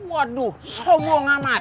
waduh sowong amat